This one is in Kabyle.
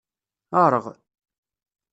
Erɣ.